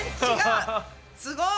すごい！